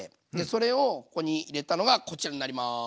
それをここに入れたのがこちらになります。